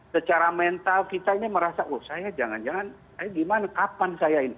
secara mental kita ini merasa oh saya jangan jangan saya gimana kapan saya ini